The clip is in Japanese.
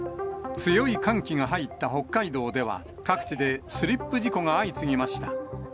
強い寒気が入った北海道では、各地でスリップ事故が相次ぎました。